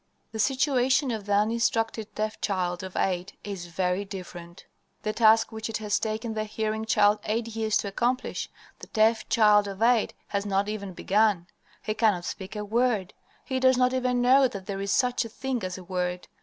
"The situation of the uninstructed deaf child of eight is very different. The task which it has taken the hearing child eight years to accomplish, the deaf child of eight has not even begun. He cannot speak a word; he does not even know that there is such a thing as a word.